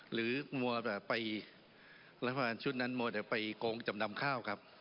หรือมัวไปรัฐบาลชุดนั้นมัวไปโกงจำนำข้าวครับ